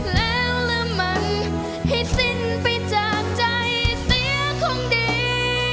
แล้วละมันให้สิ้นไปจากใจเสียคงดี